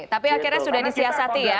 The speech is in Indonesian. tapi akhirnya sudah disiasati ya kemarin ya